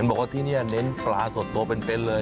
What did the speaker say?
บอกว่าที่นี่เน้นปลาสดตัวเป็นเลย